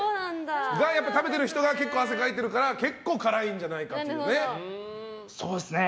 食べてる人が結構汗をかいてるから結構辛いんじゃないかという。